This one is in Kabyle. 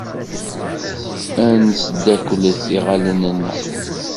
Ad nesdakklet iɣallen-nneɣ.